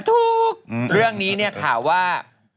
ถูกเรื่องนี้เนี่ยข่าวว่า